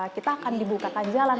kita akan dibukakan jalan